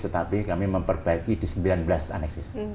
tetapi kami memperbaiki di sembilan belas aneksis